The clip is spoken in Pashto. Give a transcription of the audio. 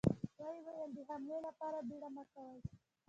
ويې ويل: د حملې له پاره بيړه مه کوئ!